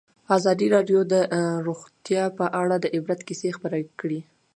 ازادي راډیو د روغتیا په اړه د عبرت کیسې خبر کړي.